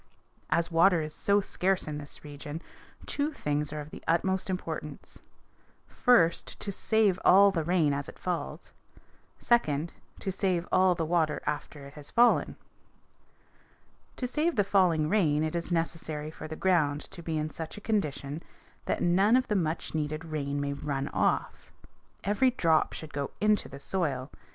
As water is so scarce in this region two things are of the utmost importance: first, to save all the rain as it falls; second, to save all the water after it has fallen. To save the falling rain it is necessary for the ground to be in such a condition that none of the much needed rain may run off. Every drop should go into the soil.